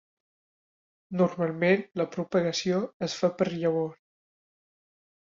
Normalment, la propagació es fa per llavor.